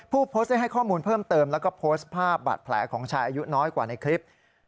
โพสต์ได้ให้ข้อมูลเพิ่มเติมแล้วก็โพสต์ภาพบาดแผลของชายอายุน้อยกว่าในคลิป